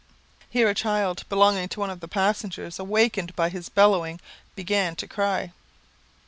Here a child belonging to one of the passengers, awakened by his bellowing, began to cry.